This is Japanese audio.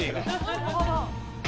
なるほど。